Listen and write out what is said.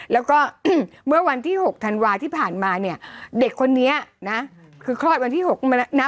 แล้วก็เมื่อวันที่๖ธันวาที่ผ่านมาเนี่ยเด็กคนนี้นะคือคลอดวันที่๖มาแล้วนะ